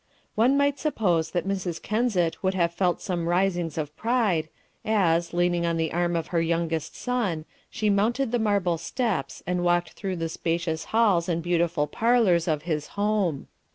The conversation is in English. One might suppose that Mrs. Kensett would have felt some risings of pride, as, leaning on the arm of her youngest son, she mounted the marble steps, and walked through the spacious halls and beautiful parlours of his home.